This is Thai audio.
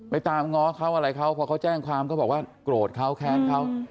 ตามง้อเขาอะไรเขาพอเขาแจ้งความเขาบอกว่าโกรธเขาแค้นเขา